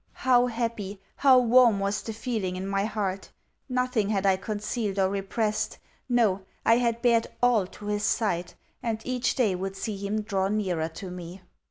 How happy, how warm was the feeling in my heart! Nothing had I concealed or repressed. No, I had bared all to his sight, and each day would see him draw nearer to me.